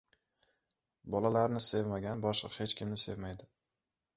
• Bolalarni sevmagan boshqa hech kimni sevmaydi.